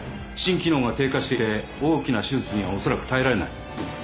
心機能が低下していて大きな手術にはおそらく耐えられない。